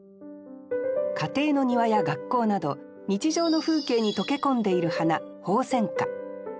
家庭の庭や学校など日常の風景に溶け込んでいる花鳳仙花。